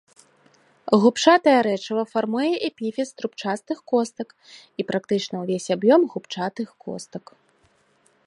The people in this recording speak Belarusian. Губчатае рэчыва фармуе эпіфіз трубчастых костак і практычна ўвесь аб'ём губчатых костак.